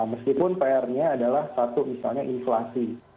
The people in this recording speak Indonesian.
meskipun pr nya adalah satu misalnya inflasi